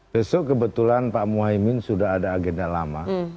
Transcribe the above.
besok kebetulan pak muhaymin sudah ada agenda lama